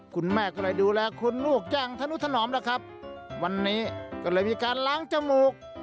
คุณแม่ก็เลยดูแลคุณลูกจ้างธนุถนอมแล้วครับวันนี้ก็เลยมีการล้างจมูก